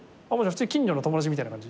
近所の友達みたいな感じ？